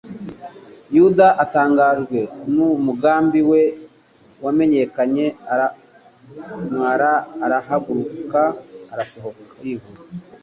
Yuda atangajwe n'uko umugambi we wamenyekanye aramwara arahaguruka asohoka yihuta.